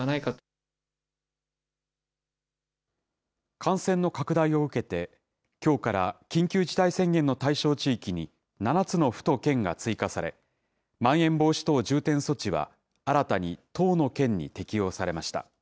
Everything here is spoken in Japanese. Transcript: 感染の拡大を受けて、きょうから緊急事態宣言の対象地域に７つの府と県が追加され、まん延防止等重点措置は、新たに１０の県に適用されました。